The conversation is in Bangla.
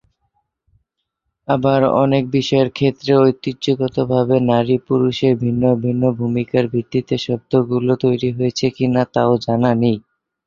আবার অনেক বিষয়ের ক্ষেত্রে ঐতিহ্যগতভাবে নারী-পুরুষের ভিন্ন ভিন্ন ভূমিকার ভিত্তিতে শব্দগুলো তৈরি হয়েছে কিনা তাও জানা নেই।